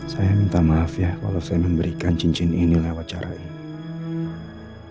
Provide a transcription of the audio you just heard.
saya minta maaf ya kalau saya memberikan cincin ini lewat cara ini